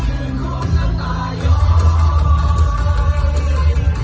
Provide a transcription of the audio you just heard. มีใครมันไปช่วยกับใครก็ไม่ต้องร้อย